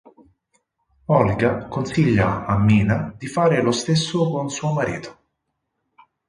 Olga consiglia a Mina di fare lo stesso con suo marito.